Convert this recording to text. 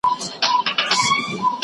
آ پخوا دې چې رټلی ؤم لا ناست یم